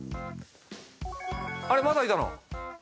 あれまだいたの？